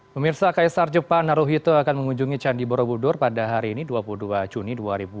pemirsa kaisar jepang naruhito akan mengunjungi candi borobudur pada hari ini dua puluh dua juni dua ribu dua puluh